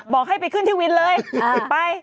บอกให้ไปขึ้นที่วินเลยไป